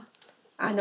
あの。